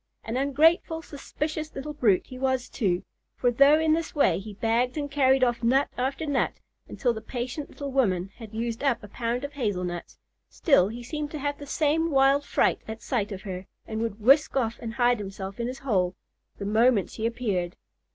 An ungrateful, suspicious little brute he was too; for though in this way he bagged and carried off nut after nut, until the patient little woman had used up a pound of hazel nuts, still he seemed to have the same wild fright at sight of her, and would whisk off and hide himself in his hole the moment she appeared.